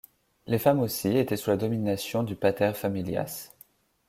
Les femmes aussi étaient sous la domination du pater familias.